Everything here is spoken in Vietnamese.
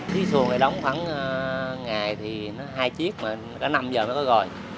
cái xuồng này đóng khoảng ngày thì nó hai chiếc mà cả năm giờ mới có gọi